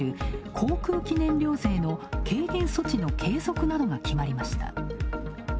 航空機燃料税の軽減措置の継続などが決まりました。